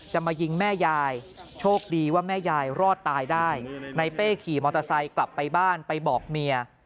มายิงแม่ยายโชคดีว่าแม่ยายรอดตายได้ในเป้ขี่มอเตอร์ไซค์กลับไปบ้านไปบอกเมีย